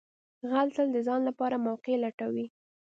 غل تل د ځان لپاره موقع لټوي